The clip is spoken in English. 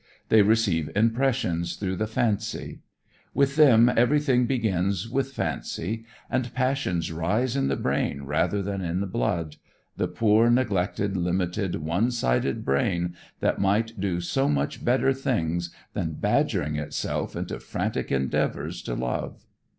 They receive impressions through the fancy. With them everything begins with fancy, and passions rise in the brain rather than in the blood, the poor, neglected, limited one sided brain that might do so much better things than badgering itself into frantic endeavors to love.